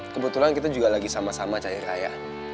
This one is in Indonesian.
kebetulan kita juga lagi sama sama cari raya